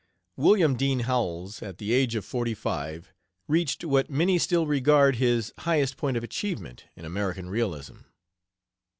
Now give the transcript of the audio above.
William Dean Howells, at the age of forty five, reached what many still regard his highest point of achievement in American realism.